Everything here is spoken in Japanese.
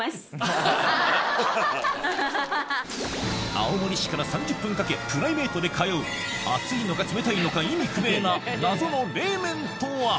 青森市から３０分かけプライベートで通う熱いのか冷たいのか意味不明な謎の冷麺とは？